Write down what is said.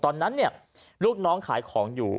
ตอนนั้นเนี่ยลูกน้องขายของอยู่